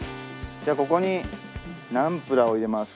じゃあここにナンプラーを入れます。